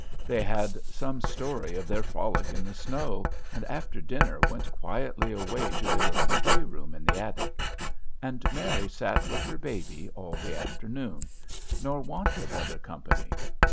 They had some story of their frolic in the snow, and after dinner went quietly away to their little play room in the attic. And Mary sat with her baby all the afternoon, nor wanted other company.